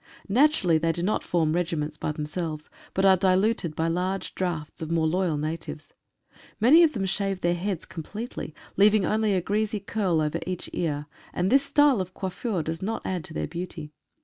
Naturally they do not form regiments by them selves, but are diluted by large drafts of more loyal natives. Many of them shave their heads completely, leaving only a greasy curl over each ear, and this style of coiffure does not add to their beauty.